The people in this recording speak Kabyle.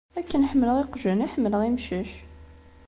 Akken ḥemmleɣ iqjan i ḥemmleɣ imcac.